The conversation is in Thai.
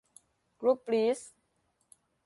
กรุ๊ปลีส